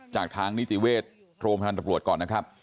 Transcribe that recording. จากทางนิกฤทธิ์โทรมหนังปรวจก่อนนะครับ